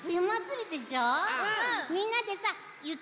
みんなでさゆき